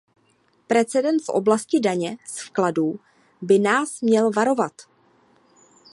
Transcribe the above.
Precedent v oblasti daně z vkladů by nás měl varovat.